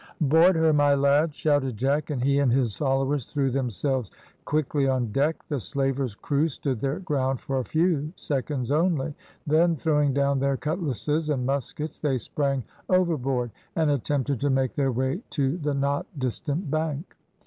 "Board her, my lads," shouted Jack; and he and his followers threw themselves quickly on deck. The slaver's crew stood their ground for a few seconds only; then, throwing down their cutlasses and muskets, they sprang overboard, and attempted to make their way to the not distant bank.